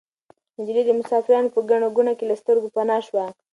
نجلۍ د مسافرانو په ګڼه ګوڼه کې له سترګو پناه شوه.